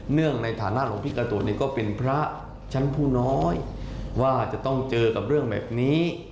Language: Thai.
งในฐานะหลวงพี่การ์ตูนเนี่ยก็เป็นพระชั้นผู้น้อยว่าจะต้องเจอกับเรื่องแบบนี้